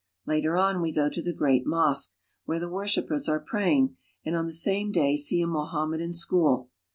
Later on we go to the great mosque, where the wor shipers are praying, and on the same day see a Moham. medan school.